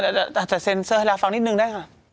ฟินเตอร์เช่นเซ็นเซอร์ลาฟังนิดนึงได้ก่อน